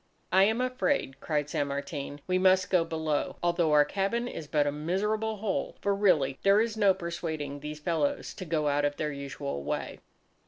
"I am afraid," cried San Martin, "we must go below, although our cabin is but a miserable hole! For really there is no persuading these fellows to go out of their usual way."